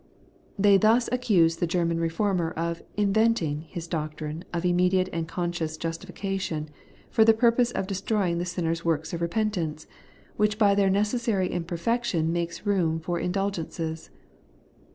They thus accuse the German Eeformer of inventing his doctrine of im mediate and conscious justification for the purpose of destroying the sinner's works of repentance, which by their necessary imperfection make room for in dulgences.